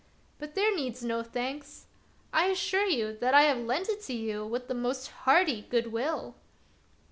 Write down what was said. But there needs no thanks; I assure you that I have lent it you with the most hearty good will."